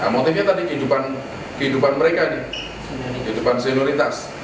motifnya tadi kehidupan mereka nih kehidupan senioritas